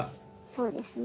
そうですね。